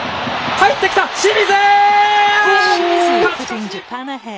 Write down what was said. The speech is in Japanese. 入ってきた、清水！